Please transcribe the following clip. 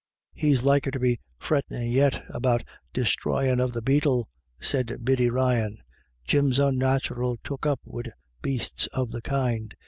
" He's liker to be frettin' yit about disthroyin' of the beetle," said Biddy Ryan. " Jim's unnathural took up wid bastes of the kind.